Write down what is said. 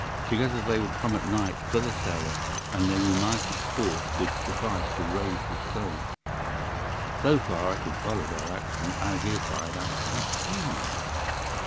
Together they would come at night to the cellar, and their united force would suffice to raise the stone. So far I could follow their actions as if I had actually seen them.